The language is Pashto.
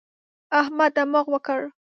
احمد دماغ وکړ.